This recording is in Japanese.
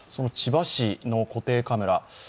千葉市の固定カメラ